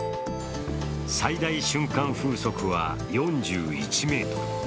最大瞬間風速は４１メートル。